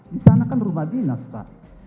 di sana kan rumah dinas pak